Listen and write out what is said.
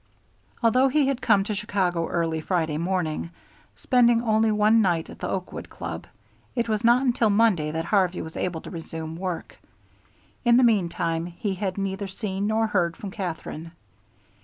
Although he had to come to Chicago early Friday morning, spending only one night at the Oakwood Club, it was not until Monday that Harvey was able to resume work. In the meantime he had neither seen nor heard from Katherine.